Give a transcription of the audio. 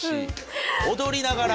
踊りながら？